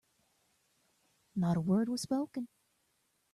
Not a word was spoken.